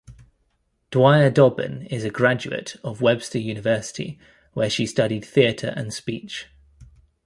Dwyer-Dobbin is a graduate of Webster University where she studied theater and speech.